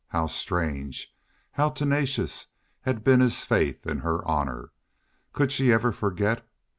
How strange, how tenacious had been his faith in her honor! Could she ever forget?